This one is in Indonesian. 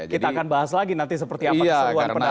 kita akan bahas lagi nanti seperti apa keseluruhan pendaftaran